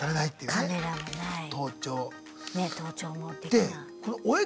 ね盗聴もできない。